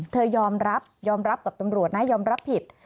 เธอยอมรับกับตำรวจนะยอมรับผิด